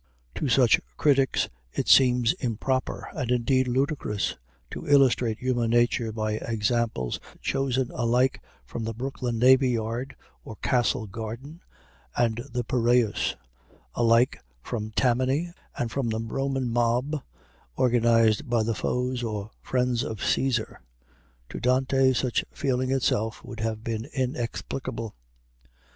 To such critics it seems improper, and indeed ludicrous, to illustrate human nature by examples chosen alike from the Brooklyn Navy Yard or Castle Garden and the Piræus, alike from Tammany and from the Roman mob organized by the foes or friends of Cæsar. To Dante such feeling itself would have been inexplicable.